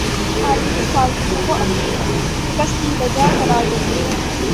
عالمی سازشوں کو اپنی شکست کی وجہ قرار دیتے ہیں